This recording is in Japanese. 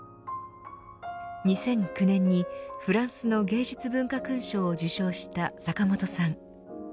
２００９年にフランスの芸術文化勲章を受章した坂本さん